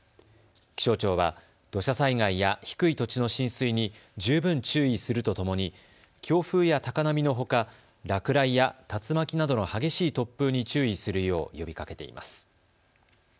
気象庁は土砂災害や低い土地の浸水に十分注意するとともに強風や高波のほか落雷や竜巻などの激しい突風に注意するよう呼びかけています。